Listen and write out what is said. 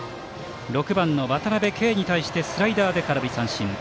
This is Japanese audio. ６番の渡辺憩に対してスライダーで空振り三振。